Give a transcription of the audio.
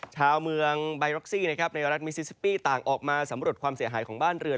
ชาวเมืองไบร็อกซี่นะครับในรัฐมิซิซิปี้ต่างออกมาสำรวจความเสียหายของบ้านเรือน